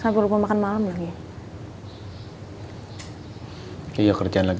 tapi aku maunya kalian berteman wah